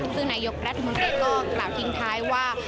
ซึ่งนายกรัฐมนตรีก็กล่าวทิ้งท้ายว่า